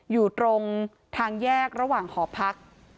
อยู่ตรงทางแยกระหว่างหอพัก